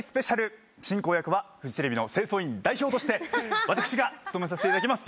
進行役はフジテレビの清掃員代表として私が務めさせていただきます。